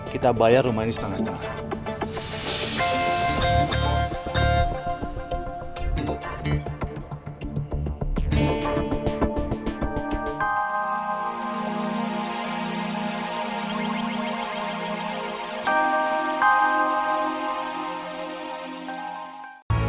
kita bayar rumah ini setengah setengah